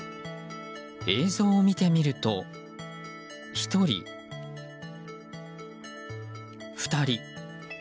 映像を見てみると１人、２人。